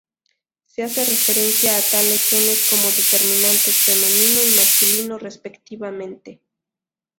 Se hace referencia a tales genes como determinantes femenino y masculino, respectivamente.